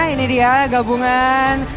ini dia gabungan